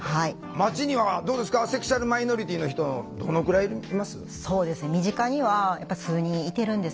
町にはどうですかセクシュアルマイノリティーの人どのくらいいます？